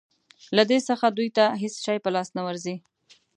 له دې څخه دوی ته هېڅ شی په لاس نه ورځي.